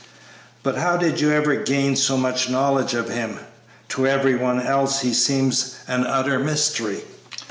"But how did you ever gain so much knowledge of him? To every one else he seems an utter mystery."